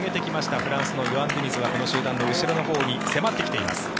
フランスのヨアン・ディニズはこの集団の後ろのほうに迫ってきています。